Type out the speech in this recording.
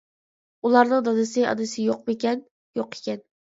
— ئۇلارنىڭ دادىسى، ئانىسى يوقمىكەن؟ — يوق ئىكەن.